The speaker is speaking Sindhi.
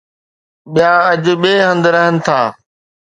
ٻيا اڄ ٻئي هنڌ رهن ٿا